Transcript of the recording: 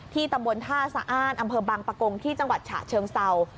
ตำบลท่าสะอ้านอำเภอบังปะกงที่จังหวัดฉะเชิงเศร้า